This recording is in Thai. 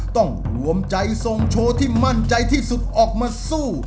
ต้องรวมใจทรงโชว์ที่มั่นใจที่สุดออกมาสู้